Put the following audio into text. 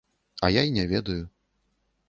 А я й не ведаю.